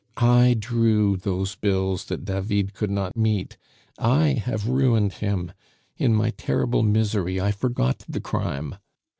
I drew those bills that David could not meet! ... I have ruined him. In my terrible misery, I forgot the crime.